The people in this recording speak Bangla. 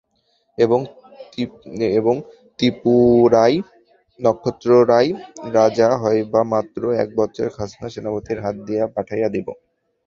এবং ত্রিপুরায় নক্ষত্ররায় রাজা হইবামাত্র এক বৎসরের খাজনা সেনাপতির হাত দিয়া পাঠাইয়া দিব।